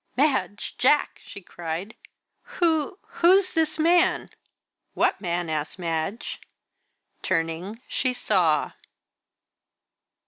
"Madge! Jack!" she cried. "Who who's this man?" "What man?" asked Madge. Turning, she saw.